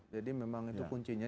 jadi memang itu kuncinya